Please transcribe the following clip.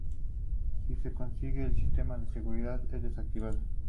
Si se consigue, el sistema de seguridad es desactivado.